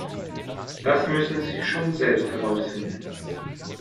Das müssen Sie schon selbst herausfinden.